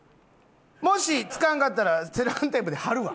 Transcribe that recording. もし付かんかったらセロハンテープで貼るわ。